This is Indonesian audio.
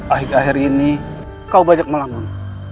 akhir akhir ini kau banyak melangun